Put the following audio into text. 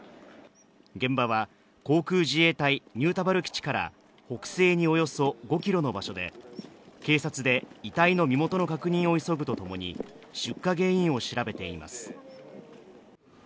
現場は航空自衛隊新田原基地から北西におよそ５キロの場所で警察で遺体の身元の確認を急ぐとともに出火原因を調べています